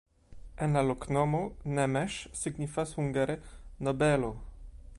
En la loknomo nemes signifas hungare: nobelo.